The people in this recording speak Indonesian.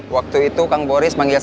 waktu itu kang boris manggil saya